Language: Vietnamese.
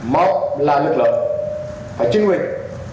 một là lực lượng phải chính quyền